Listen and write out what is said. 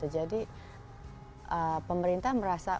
jadi pemerintah merasa